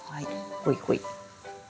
ほいほい。